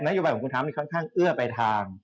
แต่นโยบายของคุณทามนี่ค่อนข้างเอื้อไปทาง